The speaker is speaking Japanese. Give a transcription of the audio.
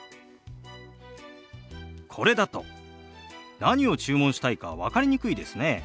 これだと何を注文したいか分かりにくいですね。